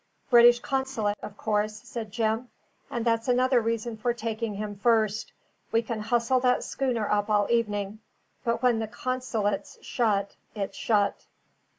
"British consulate, of course," said Jim. "And that's another reason for taking him first. We can hustle that schooner up all evening; but when the consulate's shut, it's shut."